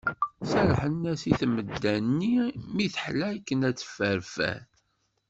Serrḥen-as i tmedda-nni mi teḥla, akken ad tefferfer.